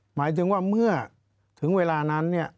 หมายถึงว่าเมื่อถึงเวลานั้น